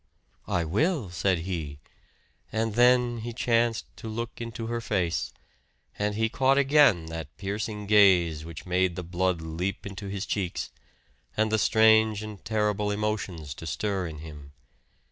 "I will," said he; and then he chanced to look into her face, and he caught again that piercing gaze which made the blood leap into his cheeks, and the strange and terrible emotions to stir in him.